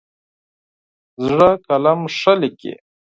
زړه قلم ښه لیکي.